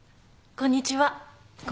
こんにちは。